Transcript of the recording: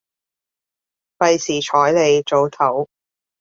費事睬你，早唞